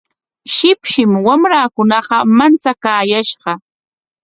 Shipshim wamrakunaqa manchakaayashqa.